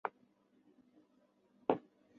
游戏商会推出不同的限时频道。